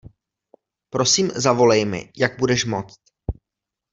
Prosím, zavolej mi, jak budeš moct.